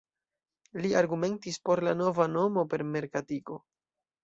Li argumentis por la nova nomo per merkatiko.